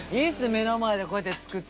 目の前でこうやって作ってんの。